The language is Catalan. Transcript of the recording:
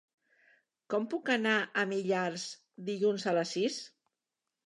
Com puc anar a Millars dilluns a les sis?